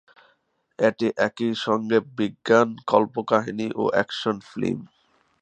এটি একই সঙ্গে বিজ্ঞান কল্পকাহিনি ও অ্যাকশন ফিল্ম।